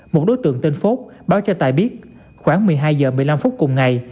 một đối tượng tên phố báo cho tài biết khoảng một mươi hai h một mươi năm phút cùng ngày